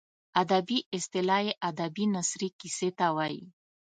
ادبي اصطلاح کې ادبي نثري کیسې ته وايي.